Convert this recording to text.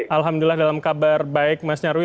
alhamdulillah dalam kabar baik mas nyarwi